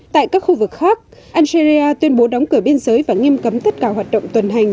tại các khu vực khác algeria tuyên bố đóng cửa biên giới và nghiêm cấm tất cả hoạt động tuần hành